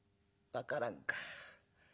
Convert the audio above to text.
分からん